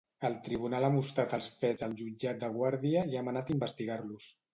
El tribunal ha mostrat els fets al jutjat de guàrdia i ha manat investigar-los.